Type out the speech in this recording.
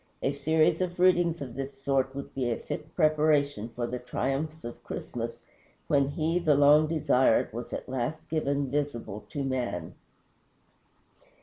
A series of readings of this sort would be a fit preparation for the triumphs of Christmas, when he, the long desired, was at last given visible to man.